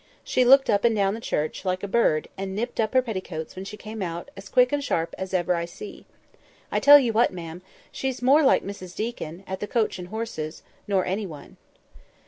She looked up and down the church, like a bird, and nipped up her petticoats, when she came out, as quick and sharp as ever I see. I'll tell you what, ma'am, she's more like Mrs Deacon, at the 'Coach and Horses,' nor any one."